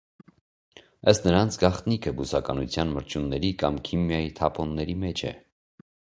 Ըստ նրանց՝ գաղտնիքը բուսականության, մրջյունների կամ քիմիայի թափոնների մեջ է։